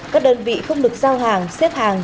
các đơn vị không được giao hàng xếp hàng